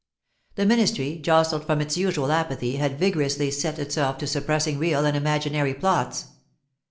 The ministry, jostled from its usual apathy, had vigorously set itself to suppressing real and imaginary plots.